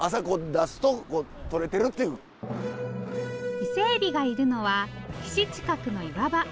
伊勢エビがいるのは岸近くの岩場。